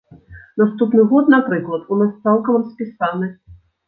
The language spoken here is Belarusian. Наступны год, напрыклад, у нас цалкам распісаны.